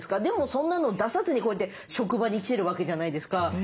でもそんなの出さずにこうやって職場に来てるわけじゃないですか。